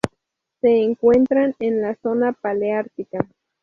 Se encuentran en la zona paleártica.